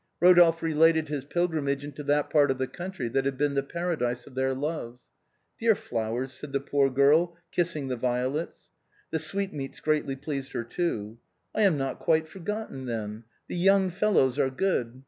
Eodolphe related his pilgrimage into that part of the country that had been the paradise of their loves. " Dear flowers," said the poor girl, kissing the violets. The sweetmeats greatly pleased her too. " I am not quite forgotten, then. The young fellows are good.